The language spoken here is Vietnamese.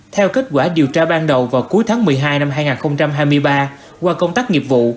theo kết quả điều tra ban đầu vào cuối tháng một mươi hai năm hai nghìn hai mươi ba qua công tác nghiệp vụ